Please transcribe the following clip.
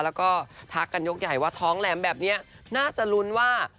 แล้วก็ทักกันยกใหญ่ว่าท้องแหลมแบบนี้น่าจะลุ้นว่า